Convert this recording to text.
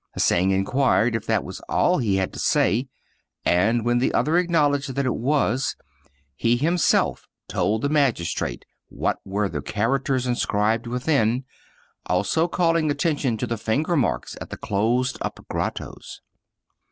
Hsing inquired if that was all he had to say, and when the other acknowledged that it was, he himself told the magistrate what were the characters inscribed within, also calling attention to the finger marks at the closed up grottoes.